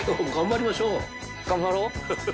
頑張ろう。